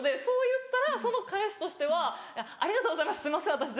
そう言ったらその返しとしては「ありがとうございますすいません